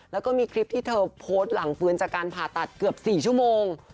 แล้วก็มีคลิปที่เธอโพสต์หลังฟื้นจากการผ่าตัดเกือบ๔ชั่วโมง